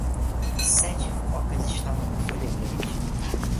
Sete focas estavam na folha grande.